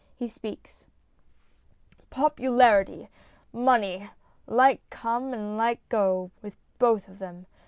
He speaks : POPULARITY ! Money ! Light come and light go, with both of them.